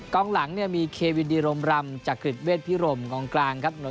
องหลังเนี่ยมีเควินดีรมรำจักริตเวทพิรมกองกลางครับ